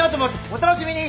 お楽しみに。